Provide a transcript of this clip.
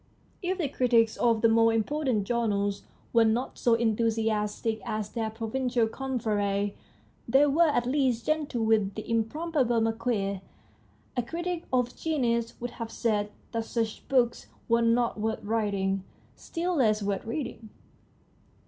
If the critics of the more important journals were not so enthusiastic as their provincial confreres, they were at least gentle with " The Im probable Marquis." A critic of genius would have said that such books were not worth writing, still less worth reading.